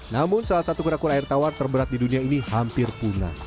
namun salah satu kura kura air tawar terberat di dunia ini hampir punah